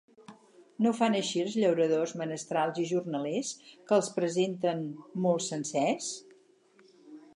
No ho fan així els llauradors, menestrals i jornalers, que els presenten molt sencers.